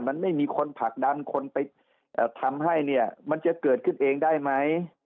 มันไม่มีคนผลักดันคนไปทำให้เนี่ยมันจะเกิดขึ้นเองได้ไหม